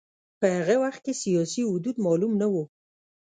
په هغه وخت کې سیاسي حدود معلوم نه و.